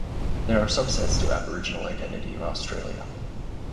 There are subsets to Aboriginal identity in Australia.